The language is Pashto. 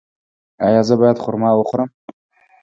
ایا زه باید خرما وخورم؟